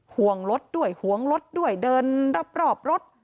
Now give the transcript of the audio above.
ห่วงรถด้วยห่วงรถด้วยเดินรอบรถ